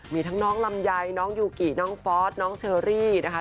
มีทั้งน้องลำไยน้องยูกิน้องฟอสน้องเชอรี่นะคะ